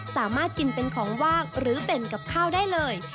สามารถกินเป็นของว่างหรือเป็นกับข้าวได้เลย